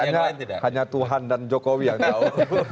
kayaknya hanya tuhan dan jokowi yang tahu